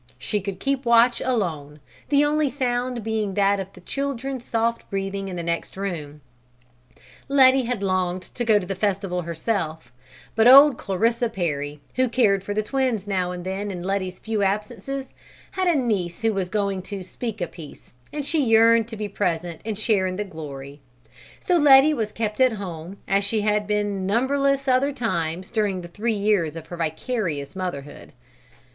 She could keep watch alone, the only sound being that of the children's soft breathing in the next room. Letty had longed to go to the festival herself, but old Clarissa Perry, who cared for the twins now and then in Letty's few absences, had a niece who was going to "speak a piece," and she yearned to be present and share in the glory; so Letty was kept at home as she had been numberless other times during the three years of her vicarious motherhood.